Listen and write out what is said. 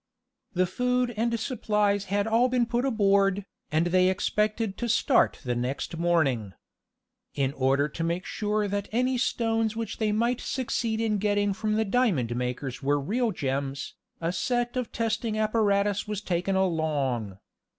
The food and supplies had all been put aboard, and they expected to start the next morning. In order to make sure that any stones which they might succeed in getting from the diamond makers were real gems, a set of testing apparatus was taken along.